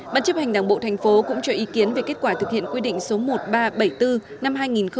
bản chấp hành đảng bộ thành phố cũng cho ý kiến về kết quả thực hiện quy định số một nghìn ba trăm bảy mươi bốn năm hai nghìn một mươi tám